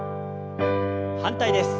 反対です。